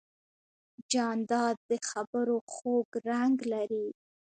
جانداد د خبرو خوږ رنګ لري.